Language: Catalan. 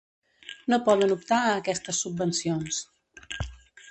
No poden optar a aquestes subvencions.